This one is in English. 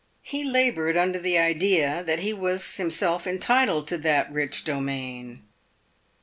He laboured under the idea that he was himself entitled to that rich domain.